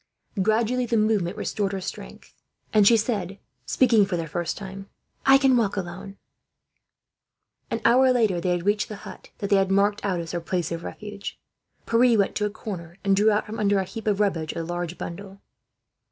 Gradually the movement restored her strength, and she said, speaking for the first time: "I can walk alone." An hour later they reached the hut that they had marked out as their place of refuge. Pierre went to a corner and drew out, from under a heap of rubbish, a large bundle.